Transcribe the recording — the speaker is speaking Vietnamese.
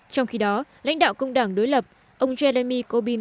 trong khi đó lãnh đạo cung đảng đối lập ông jeremy corbyn